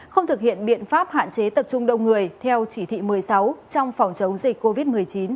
không thực hiện biện pháp hạn chế tập trung đông người theo chỉ thị một mươi sáu trong phòng chống dịch covid một mươi chín